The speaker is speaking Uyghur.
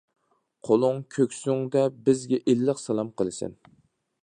قولۇڭ كۆكسۈڭدە بىزگە ئىللىق سالام قىلىسەن.